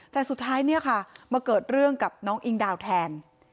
แต่สุดท้ายเนี่ยค่ะมาเกิดเรื่องกับน้องอิงดาวแทน